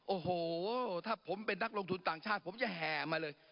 โอ้โหถ้าผมเป็นนักลงทุนต่างชาติผมจะแห่มาเลย